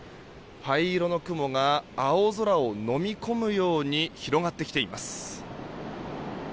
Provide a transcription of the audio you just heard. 灰色の雲が青空をのみ込むように広がってきています。